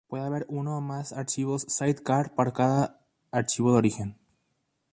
Puede haber uno o más archivos "sidecar" para cada archivo de origen.